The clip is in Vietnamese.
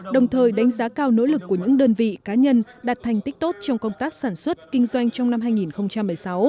đồng thời đánh giá cao nỗ lực của những đơn vị cá nhân đạt thành tích tốt trong công tác sản xuất kinh doanh trong năm hai nghìn một mươi sáu